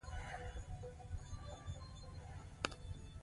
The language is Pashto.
رضا پهلوي دریځ ټینګ کړی دی.